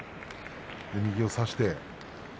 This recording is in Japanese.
右を差して。